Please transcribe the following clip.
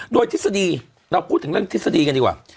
โดยทฤษฎีเราพูดถึงเรื่องทฤษฎีกันดีกว่า